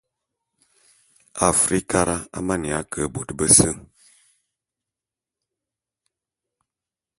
Afrikara a maneya ke bôt bese.